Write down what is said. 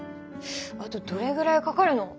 あとどれぐらいかかるの？